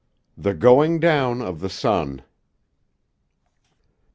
THE GOING DOWN OF THE SUN.